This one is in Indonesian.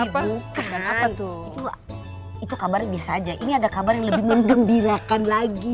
itu kabarnya biasa aja ini ada kabar yang lebih mengembirakan lagi